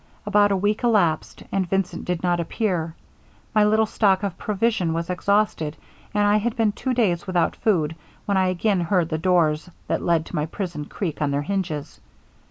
About a week elapsed, and Vincent did not appear. My little stock of provision was exhausted, and I had been two days without food, when I again heard the doors that led to my prison creek on their hinges.